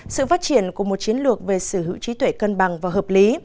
sự phát triển của một chiến lược về sở hữu trí tuệ cân bằng và hợp lý